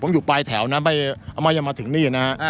อยู่ปลายแถวนะไม่ยังมาถึงนี่นะ